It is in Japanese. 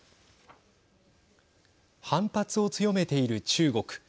反発を強めている中国。